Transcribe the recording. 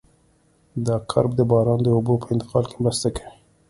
دا کرب د باران د اوبو په انتقال کې مرسته کوي